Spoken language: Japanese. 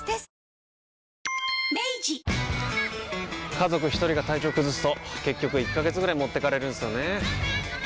家族一人が体調崩すと結局１ヶ月ぐらい持ってかれるんすよねー。